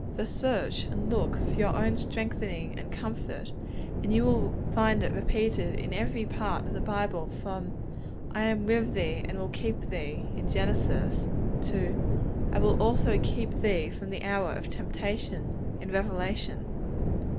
For, search and look for your own strengthening and comfort, and you will find it repeated in every part of the Bible, from 'I am with thee, and will keep thee,' in Genesis, to 'I also will keep thee from the hour of temptation,' in Revelation.